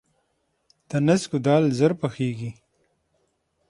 د نسکو دال ژر پخیږي.